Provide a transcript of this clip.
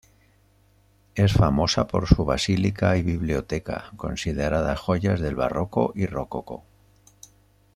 Es famosa por su basílica y biblioteca, consideradas joyas del barroco y rococó.